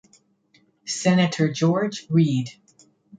Senator George Read.